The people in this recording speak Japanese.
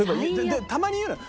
でたまに言うのよ。